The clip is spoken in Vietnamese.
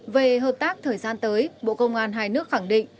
về hợp tác thời gian tới bộ công an hai nước khẳng định